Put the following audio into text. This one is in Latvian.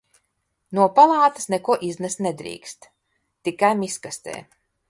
No palātas neko iznest nedrīkst, tikai miskastē.